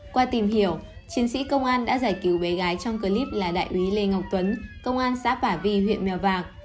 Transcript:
qua tìm hiểu chiến sĩ công an đã giải cứu bé gái trong clip là đại úy lê ngọc tuấn công an xã bà vi huyện mèo vạc